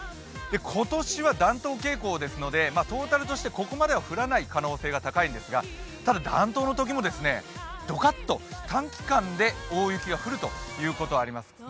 今年は暖冬傾向ですのでトータルとしてここまでは降らない可能性は高いんですが、ただ、暖冬のときもドカっと短期間で大雪が降るということはあります。